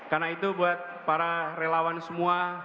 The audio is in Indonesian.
karena itu buat para relawan semua